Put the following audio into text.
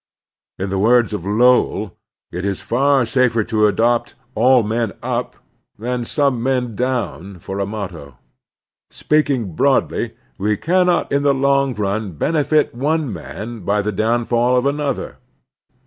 In the words of Lowell, it is far safer to adopt "All men up" than "Some men down" for a motto. Speaking broadly, we cannot in the long run benefit one man by the downfall of another.